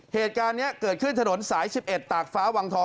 เหตุการณ์นี้เกิดขึ้นถนนสาย๑๑ตากฟ้าวังทอง